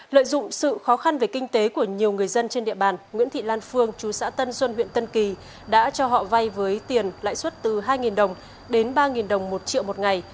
lợi dụng sự khó khăn về kinh tế của nhiều người dân trên địa bàn nguyễn thị lan phương chú xã tân xuân huyện tân kỳ đã cho họ vay với tiền lãi suất từ hai đồng đến ba đồng một triệu một ngày